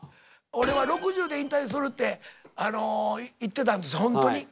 俺は６０で引退するって言ってたんですホントに。